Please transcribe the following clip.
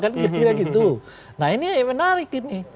nah ini menarik ini